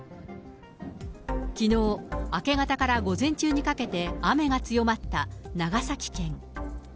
きのう、明け方から午前中にかけて雨が強まった長崎県。